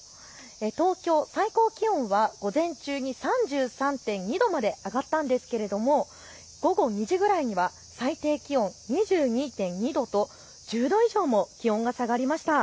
東京、最高気温は午前中に３３．２度まで上がったんですけれども午後２時ぐらいには最低気温、２２．２度と１０度以上も気温が下がりました。